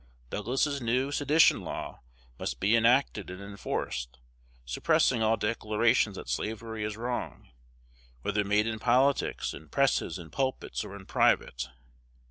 Douglas's new sedition law must be enacted and enforced, suppressing all declarations that slavery is wrong, whether made in politics, in presses, in pulpits, or in private.